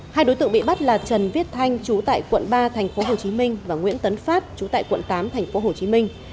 hai đối tượng bị bắt là trần viết thanh chú tại quận ba thành phố hồ chí minh và nguyễn tấn phát trú tại quận tám thành phố hồ chí minh